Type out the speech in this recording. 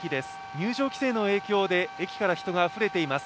入場規制の影響で、駅から人があふれています。